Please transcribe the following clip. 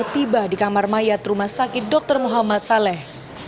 tiba di kamar mayat rumah sakit dr muhammad saleh